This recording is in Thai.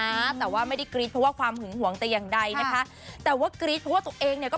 แต่ว่าไม่ได้กรี๊ดเพราะว่าความหึงหวงแต่อย่างใดนะคะแต่ว่ากรี๊ดเพราะว่าตัวเองเนี่ยก็